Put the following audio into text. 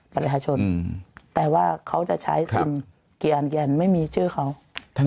บริฐาชนแต่ว่าเขาจะใช้ซิมกี่อันกี่อันไม่มีชื่อเขาท่าน